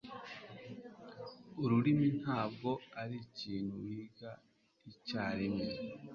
Ururimi ntabwo arikintu wiga icyarimwe.